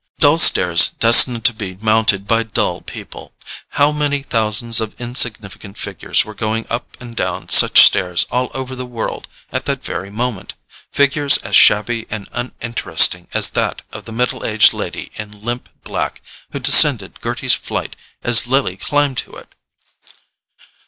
Dull stairs destined to be mounted by dull people: how many thousands of insignificant figures were going up and down such stairs all over the world at that very moment—figures as shabby and uninteresting as that of the middle aged lady in limp black who descended Gerty's flight as Lily climbed to it!